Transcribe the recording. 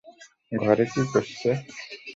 ঘরে কী করছে?